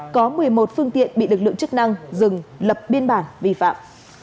có một mươi một phương tiện bị lực lượng chức năng dừng lập biên bản vi phạm